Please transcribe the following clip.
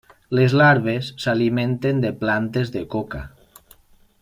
Les larves s'alimenten de plantes de coca.